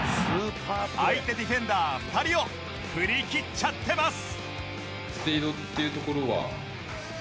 相手ディフェンダー２人を振り切っちゃってます